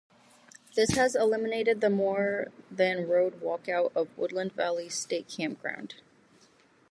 This has eliminated the more than road walk out of Woodland Valley State Campground.